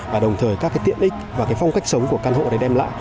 và đồng thời các cái tiện ích và cái phong cách sống của căn hộ để đem lại